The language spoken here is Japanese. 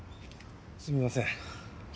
すみません。